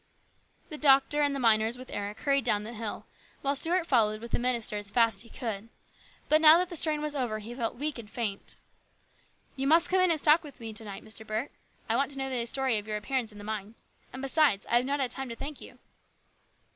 The doctor and the miners with Eric hurried down the hill, while Stuart followed with the minister as fast as he could. But now that the strain was over he felt weak and faint. " You must come in and stop with me to night, Mr. Burke. I want to know the story of your appearance in the mine. And, besides, I have not had time to thank you."